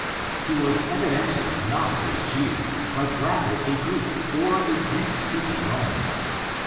He was evidently not a Jew, but rather a Greek or 8 Greek speaking Roman.